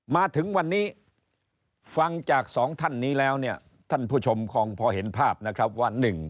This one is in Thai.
มาถึงวันนี้ฟังจากสองท่านนี้แล้วเนี่ยท่านผู้ชมคงพอเห็นภาพนะครับว่า